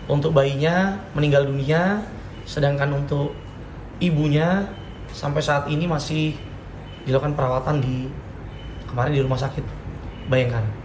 untuk bayinya meninggal dunia sedangkan untuk ibunya sampai saat ini masih dilakukan perawatan di kemarin di rumah sakit bayangkan